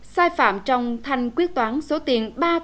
sai phạm trong thanh quyết toán số tiền ba năm